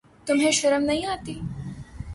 تمہیں شرم نہیں آتی؟